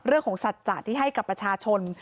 เรื่องของสัจจะที่ให้กับประชาชน